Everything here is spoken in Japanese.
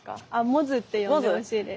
百舌って呼んでほしいです。